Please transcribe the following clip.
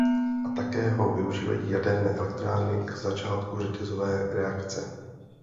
A také ho využívají jaderné elektrárny k začátku řetězové reakce.